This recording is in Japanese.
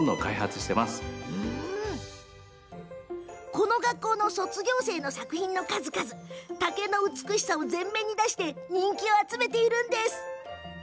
この学校の卒業生が作った作品で竹の美しさを全面に出して人気を集めています。